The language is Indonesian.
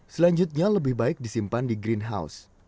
selanjutnya lebih baik disimpan di greenhouse